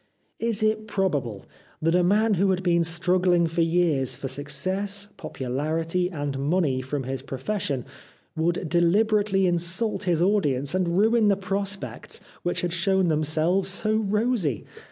Is it probable that a man who had been strugghng for years for success, popularity and money from his pro fession would deliberately insult his audience and ruin the prospects which had shown them selves so rosy